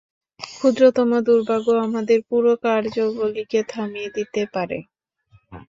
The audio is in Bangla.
ক্ষুদ্রতম দুর্ভাগ্যও আমাদের পুরো কার্যাবলিকে থামিয়ে দিতে পারে।